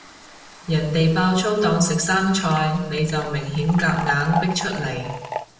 人哋爆粗當食生菜，你就明顯夾硬逼出嚟